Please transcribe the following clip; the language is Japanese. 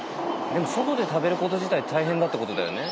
でも外で食べること自体大変だってことだよね。